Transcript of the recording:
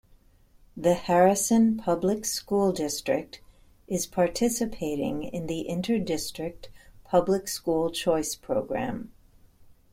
The Harrison Public School District is participating in the Interdistrict Public School Choice Program.